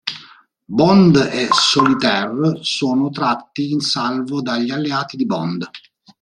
Bond e Solitaire sono tratti in salvo dagli alleati di Bond.